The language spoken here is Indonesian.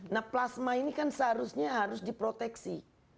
nah plasma ini kan seharusnya harus diproteksi